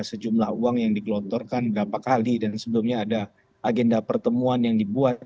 sejumlah uang yang digelontorkan berapa kali dan sebelumnya ada agenda pertemuan yang dibuat